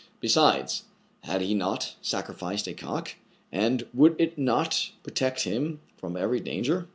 Be sides, had he not sacrificed a cock } and would it not protect him from every danger